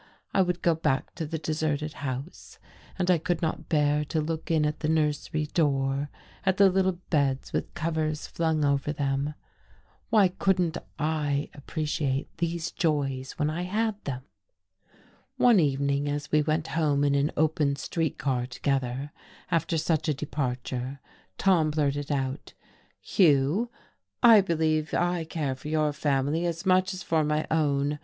I would go back to the deserted house, and I could not bear to look in at the nursery door, at the little beds with covers flung over them. Why couldn't I appreciate these joys when I had them? One evening, as we went home in an open street car together, after such a departure, Tom blurted out: "Hugh, I believe I care for your family as much as for my own.